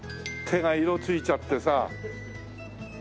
手が色ついちゃってさ。